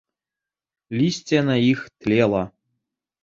Лісце на іх тлела.